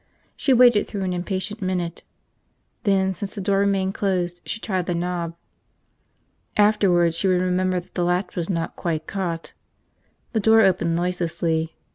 She waited through an impatient minute. Then, since the door remained closed, she tried the knob. Afterward she would remember that the latch was not quite caught. The door opened noiselessly.